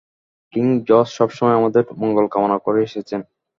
King George সবসময়ই আমাদের মঙ্গল কামনা করে এসেছেন।